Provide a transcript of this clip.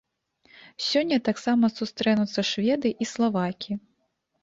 Сёння таксама сустрэнуцца шведы і славакі.